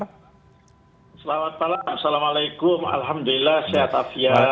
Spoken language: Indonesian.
selamat malam assalamualaikum alhamdulillah sehat afia